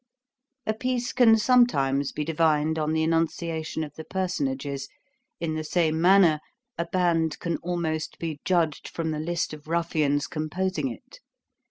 A piece can sometimes be divined on the enunciation of the personages; in the same manner a band can almost be judged from the list of ruffians composing it.